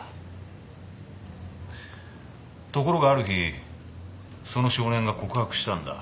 ところがある日その少年が告白したんだ。